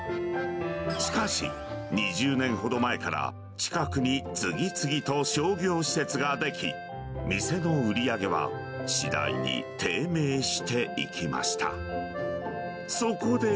しかし、２０年ほど前から近くに次々と商業施設が出来、店の売り上げは次第に低迷していきました。